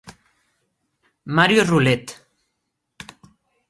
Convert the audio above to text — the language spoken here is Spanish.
Mario Roulette